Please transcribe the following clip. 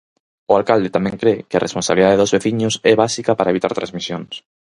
O alcalde tamén cre que a responsabilidade dos veciños é básica para evitar transmisións.